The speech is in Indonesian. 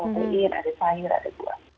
sopiin ada air ada buah